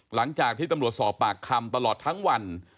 หลังจากที่ตำรวจสอบปากคำตลอดทั้งวัน